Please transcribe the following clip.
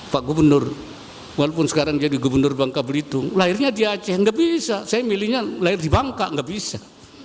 pak gubernur walaupun sekarang jadi gubernur bangka belitung lahirnya di aceh nggak bisa saya milihnya lahir di bangka nggak bisa